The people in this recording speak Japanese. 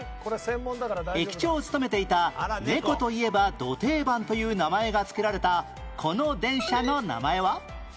駅長を務めていた猫といえばド定番という名前が付けられたこの電車の名前は？